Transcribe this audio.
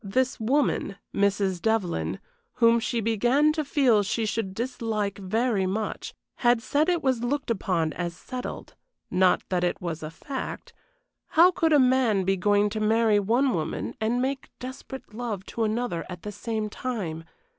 This woman, Mrs. Devlyn, whom she began to feel she should dislike very much, had said it was looked upon as settled, not that it was a fact. How could a man be going to marry one woman and make desperate love to another at the same time?